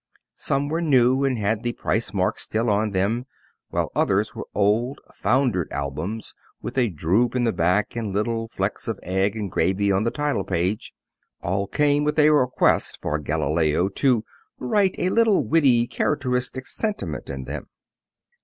Some were new and had the price mark still on them, while others were old, foundered albums, with a droop in the back and little flecks of egg and gravy on the title page. All came with a request for Galileo "to write a little, witty, characteristic sentiment in them."